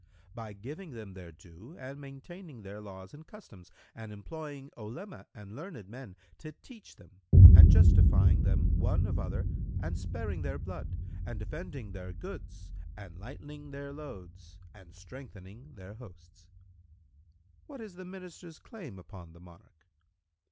"—"By giving them their due and maintaining their laws and customs[FN#112] and employing Olema and learned men to teach them and justifying them, one of other, and sparing their blood and defending their goods and lightening their loads and strengthening their hosts." Q "What is the Minister's claim upon the Monarch?"